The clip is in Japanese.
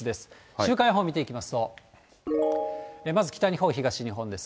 週間予報見ていきますと、まず北日本、東日本です。